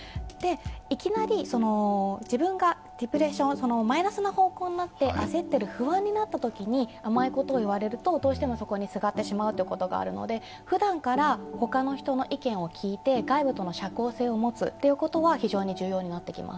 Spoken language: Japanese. いきなり自分がマイナスの方向になって、不安になったときに甘いことを言われるとどうしてもそこにすがってしまうことがあるので、ふだんから他の人の意見を聞いて外部との社交性を持つということは非常に重要になってきます。